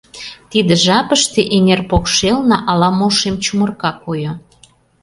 Тиде жапыште эҥер покшелне ала-мо шем чумырка койо.